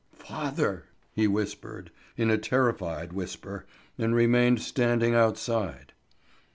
"Father!" he whispered in a terrified whisper, and remained standing outside.